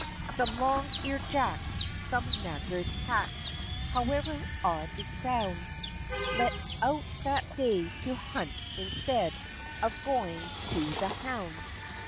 Some long eared jacks, some knacker's hacks, (However odd it sounds), Let out that day to hunt, instead _Of going to the hounds!